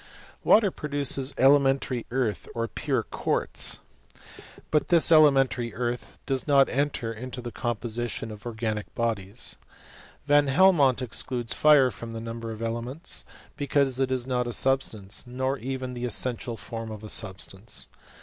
Water produces elementary earth, or pure quaitz ; "but this elementary earth does not enter into the com position of organic bodies. Van Helmont excludes fire from the number of elements, because it is not a substance, nor even the essential form of a substance.